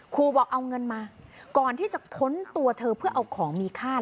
ครูบอกเอาเงินมาก่อนที่จะค้นตัวเธอเพื่อเอาของมีค่า